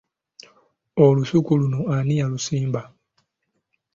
Olusuku luno ani ylusimba?